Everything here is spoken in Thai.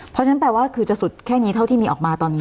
เพราะฉะนั้นแปลว่าคือจะสุดแค่นี้เท่าที่มีออกมาตอนนี้